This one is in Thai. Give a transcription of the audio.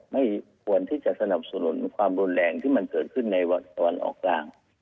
ไม่ควรที่จะสนับสนุนความรุนแรงที่มันเกิดขึ้นในตะวันออกกลาง